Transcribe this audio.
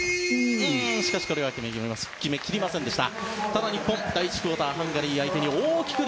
しかし、これは決めきれませんでした。